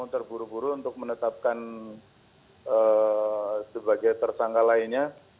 terburu buru untuk menetapkan sebagai tersangka lainnya